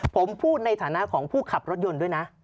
ผมพูดในฐานะของผู้ขับรถยนต์ด้วยนะ